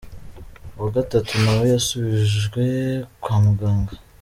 Uwa gatatu nawe yasubijwe kwa muganga.